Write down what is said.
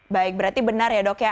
baik berarti benar ya dok ya